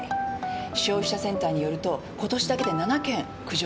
消費者センターによると今年だけで７件苦情がきてる。